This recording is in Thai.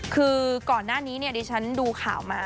คือก่อนหน้านี้เนี่ยดิฉันดูข่าวมา